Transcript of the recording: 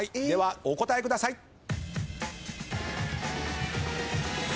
ではお答えください。